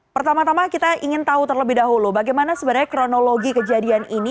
pertama tama kita ingin tahu terlebih dahulu bagaimana sebenarnya kronologi kejadian ini